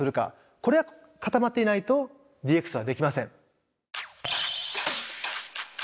これが固まっていないとＤＸはできません。